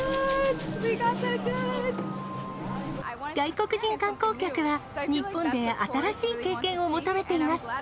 外国人観光客は、日本で新しい経験を求めています。